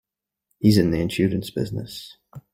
He's in the insurance business.